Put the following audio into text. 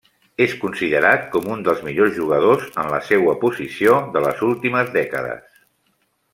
És considerat com un dels millors jugadors en la seua posició de les últimes dècades.